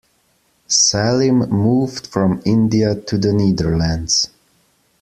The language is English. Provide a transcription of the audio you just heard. Salim moved from India to the Netherlands.